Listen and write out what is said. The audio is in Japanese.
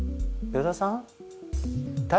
依田さん